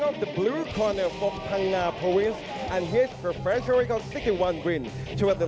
มุยทายไฟเตอร์สวัสดีครับ